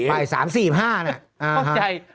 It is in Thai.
ไป๓๔๕เนี่ย